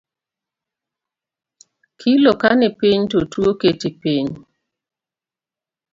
Kilo kanipiny to tuo keti piny